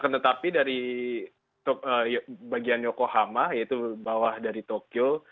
tetapi dari bagian yokohama yaitu bawah dari tokyo